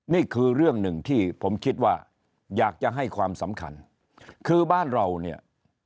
นี่คือเรื่องหนึ่งที่ผมคิดว่าอยากจะให้ความสำคัญคือบ้านเราเนี่ย